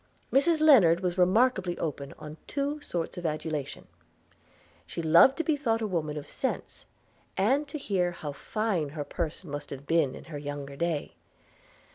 Mrs Lennard was remarkably open to two sorts of adulation – She loved to be thought a woman of sense, and to hear how fine her person must have been in her younger days.